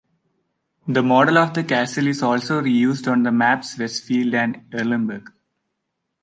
The model of the castle is also reused on the maps Westfield and Erlenberg.